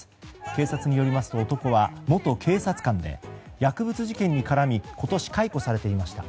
警察によりますと男は元警察官で薬物事件に絡み今年解雇されていました。